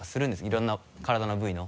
いろんな体の部位の。